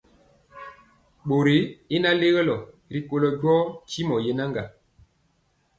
Bori y naŋ lelo rikolo njɔɔ tyimɔ yenaga.